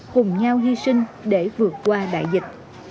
cùng nhau hy sinh để vượt qua đại dịch